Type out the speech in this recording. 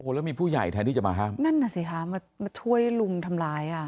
แล้วมีผู้ใหญ่แทนที่จะมาห้ามนั่นน่ะสิคะมาช่วยลุมทำร้ายอ่ะ